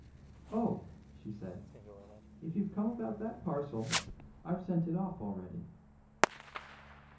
"Oh," she said, "if you've come about that parcel, I've sent it off already."